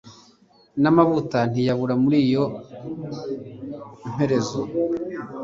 namavuta ntiyabura muri iyo mperezo